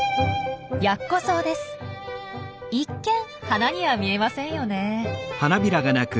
一見花には見えませんよねえ。